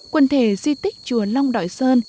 quần thể di tích chùa long đoại sơn